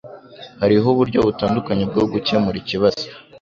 Hariho uburyo butandukanye bwo gukemura ikibazo